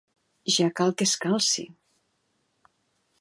Ja cal que es calci!